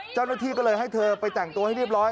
เจ้าหน้าที่ก็เลยให้เธอไปแต่งตัวให้เรียบร้อย